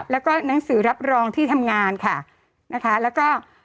แล้วก็หนังสือรับรองที่ทำงานค่ะนะคะแล้วก็